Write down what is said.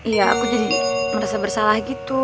iya aku jadi merasa bersalah gitu